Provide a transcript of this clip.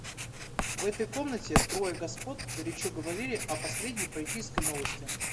В этой комнате трое господ горячо говорили о последней политической новости.